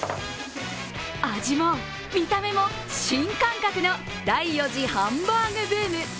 味も見た目も新感覚の第４次ハンバーグブーム。